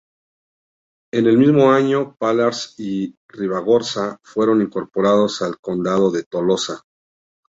En el mismo año, Pallars y Ribagorza fueron incorporados al Condado de Tolosa.